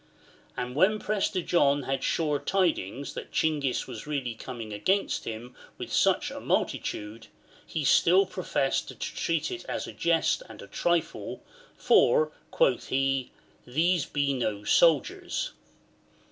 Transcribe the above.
And when Prester John had sure tidings that Chinghis was really coming against him with such a multitude, he still pro fessed to treat it as a jest and a trifle, for, quoth he, "these be no soldiers."